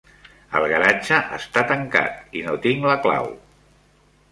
El garatge està tancat; i no tinc la clau.